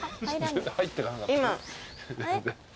入ってかなかった。